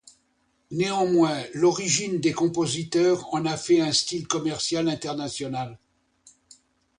Néanmoins, l'origine des compositeurs en a fait un style commercial international.